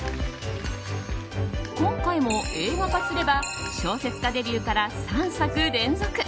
今回も映画化すれば小説家デビューから３作連続。